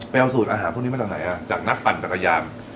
ไปเอาสูตรอาหารพวกนี้มาจากไหนฮะจากนักบรรณจากกะยาม